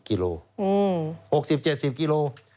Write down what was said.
๖๐๗๐กิโลกรัม